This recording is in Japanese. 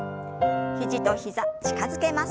肘と膝近づけます。